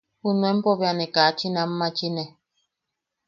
Junuempo bea ne kachin aanmachine.